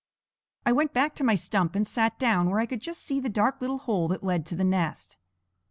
I went back to my stump and sat down where I could just see the dark little hole that led to the nest.